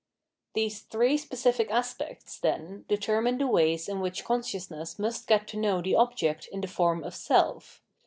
These three specific aspects, then, determine the ways in which consciousness must get to know the object in the form of self.